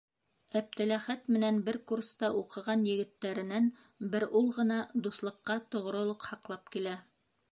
Әптеләхәт менән бер курста уҡыған егеттәренән бер ул ғына дуҫлыҡҡа тоғролоҡ һаҡлап килә.